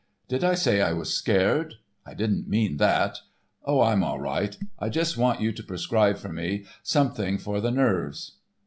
Did I say I was scared? I didn't mean that. Oh, I'm all right; I just want you to prescribe for me, something for the nerves.